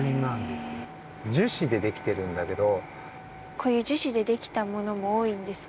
こういう樹脂でできたものも多いんですか？